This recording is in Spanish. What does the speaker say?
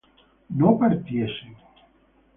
no partiesen